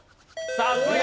さすが！